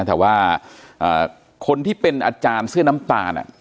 แต่ว่าคนที่เป็นอาจารย์เสื้อน้ำตาล